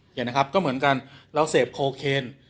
เห็นไหมครับก็เหมือนกันเราเสพโคเคน